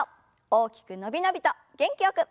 大きく伸び伸びと元気よく。